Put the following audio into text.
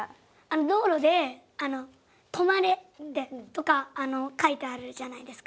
道路で止まれとか書いてあるじゃないですか。